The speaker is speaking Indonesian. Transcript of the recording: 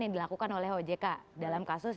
yang dilakukan oleh ojk dalam kasus